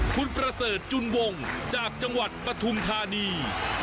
คุณประเสริฐจุนวงจากจังหวัดปฐุมธานี